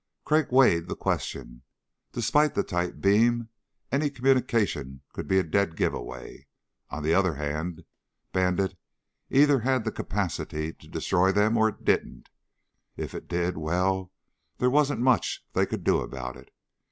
Crag weighed the question. Despite the tight beam, any communication could be a dead giveaway. On the other hand, Bandit either had the capacity to destroy them or it didn't. If it did, well, there wasn't much they could do about it.